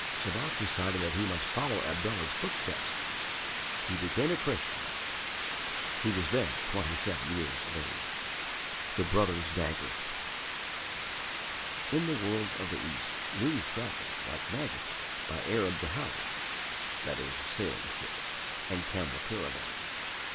Sabat decided that he must follow in Abdallah's footsteps. He became a Christian. He was then twenty seven years of age. The Brother's Dagger In the world of the East news travels like magic by Arab dhow (sailing ship) and camel caravan.